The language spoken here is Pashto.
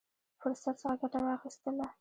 فرصت څخه ګټه واخیستله.